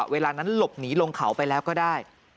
เวลานั้นหลบหนีลงเขาไปแล้วก็ได้